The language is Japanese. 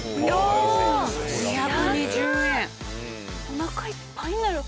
おなかいっぱいになる。